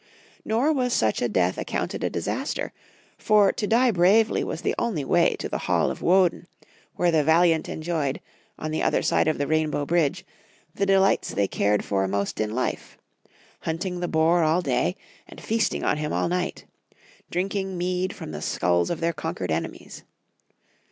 Nor was such a death accounted a disaster, for to ,die bravely was the only way to the Hall of Woden, where the valiant enjoyed, on the other side of the rainbow bridge, the delights they cared for most in Kfe — hunting the boar all day, and feasting on him all night; drinking mead from the skulls of their conquered enemies.